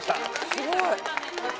すごい。